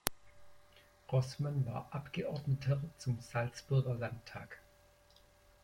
Roßmann war Abgeordneter zum Salzburger Landtag.